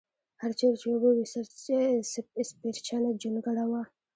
هر چېرې چې اوبه وې سپېرچنه جونګړه وه.